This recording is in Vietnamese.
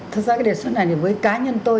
thật ra cái đề xuất này với cá nhân tôi